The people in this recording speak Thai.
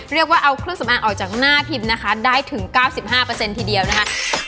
เรียกว่าเอาเครื่องสำอางออกจากหน้าพิมพ์นะคะได้ถึง๙๕ทีเดียวนะคะ